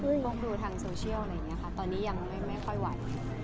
พกดูทางโซเชียลอะไรแบบนี้ค่ะตอนนี้ยังไม่ค่อยไหว